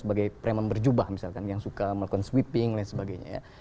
sebagai preman berjubah misalkan yang suka melakukan sweeping dan sebagainya ya